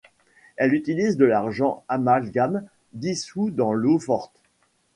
Elle utilise de l'argent amalgame dissous dans l'eau-forte.